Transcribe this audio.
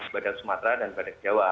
badak sumatera dan badak jawa